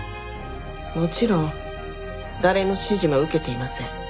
もちろん誰の指示も受けていません。